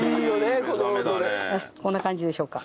こんな感じでしょうか？